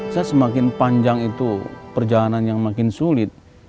saya semakin panjang itu perjalanan yang makin sulit